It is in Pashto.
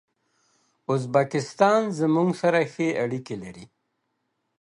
ازبکستان زموږ سره ښې اړیکي لري.